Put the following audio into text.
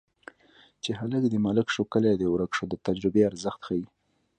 چې هلک دې ملک شو کلی دې ورک شو د تجربې ارزښت ښيي